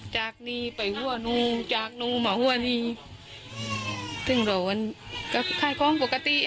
จากนี้ไปว่านุจากนุมาว่านิ